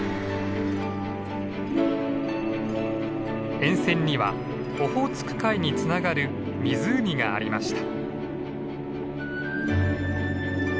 沿線にはオホーツク海につながる湖がありました。